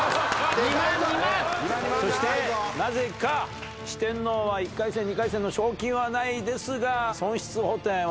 そしてなぜか四天王は１回戦２回戦の賞金はないですが損失補填